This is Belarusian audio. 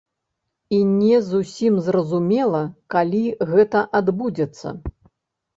І не зусім зразумела, калі гэта адбудзецца.